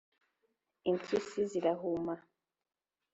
Impyisi zirahuma